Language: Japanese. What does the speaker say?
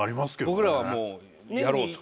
僕らはもうやろうと。